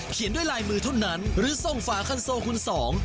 เขียนด้วยลายมือเท่านั้นหรือส่งฝาคันโซคุณสอง